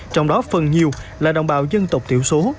trong đó phần nhiều là đồng bào dân tộc thiểu số